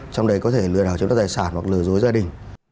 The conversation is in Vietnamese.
trong đấy có thể lừa đảo chống đất đại sản hoặc lừa dối gia đình